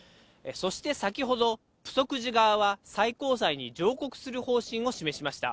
そして先ほど、プソク寺側は最高裁に上告する方針を示しました。